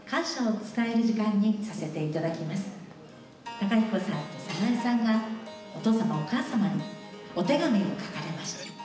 公彦さんと早苗さんがお父様お母様にお手紙を書かれました。